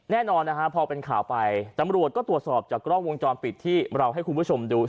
แน่นอนนะฮะพอเป็นข่าวไปตำรวจก็ตรวจสอบจากกล้องวงจรปิดที่เราให้คุณผู้ชมดู